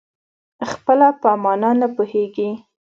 خپله په مانا نه پوهېږي.